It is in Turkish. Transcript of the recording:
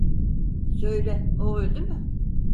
Söyle, o öldü mü?